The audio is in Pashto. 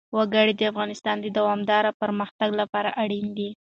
وګړي د افغانستان د دوامداره پرمختګ لپاره اړین دي.